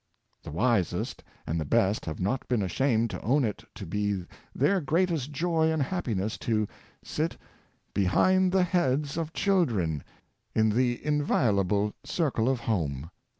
The Tlie Best Nursery of Character, 99 wisest and the best have not been ashamed to own it to be their greatest joy and happiness to sit " behind the heads of children" in the inviolable circle of home.